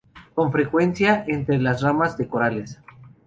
Con frecuencia entre las ramas de corales.